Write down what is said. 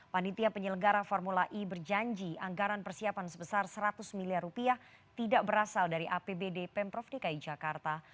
panitia penyelenggara formula e berjanji anggaran persiapan sebesar seratus miliar rupiah tidak berasal dari apbd pemprov dki jakarta